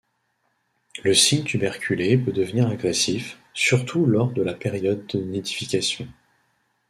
Le Cygne tuberculé peut devenir agressif, surtout lors de la période de nidification.